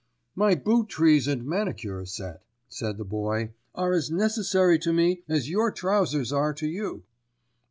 "My boot trees and manicure set," said the Boy, "are as necessary to me as your trousers are to you."